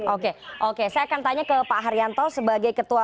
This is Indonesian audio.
oke oke saya akan tanya ke pak haryanto sebagai ketua